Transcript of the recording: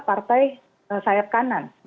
partai sayap kanan